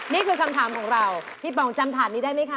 นี่คือคำถามของเราพี่ป๋องจำถาดนี้ได้ไหมคะ